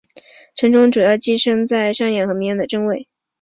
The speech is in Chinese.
成虫主要寄生在山羊和绵羊的真胃。